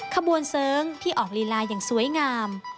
ขบวนเสริงที่ออกลีลาอย่างสวยงาม